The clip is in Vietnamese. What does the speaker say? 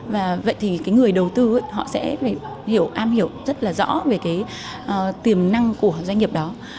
và vậy thì cái người đầu tư họ sẽ phải hiểu am hiểu rất là rõ về cái tiềm năng của doanh nghiệp đó